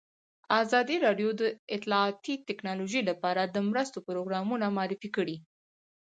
ازادي راډیو د اطلاعاتی تکنالوژي لپاره د مرستو پروګرامونه معرفي کړي.